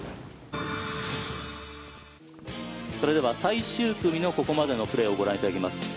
それでは最終組のここまでのプレーをご覧いただきます。